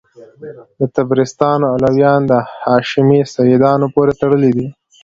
د طبرستان علویان د هاشمي سیدانو پوري تړلي دي.